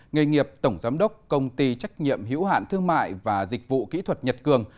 nghề nghiệp tổng giám đốc công ty trách nhiệm hiểu hạn thương mại và dịch vụ kỹ thuật nhật cường